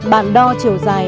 bạn đo chiều dài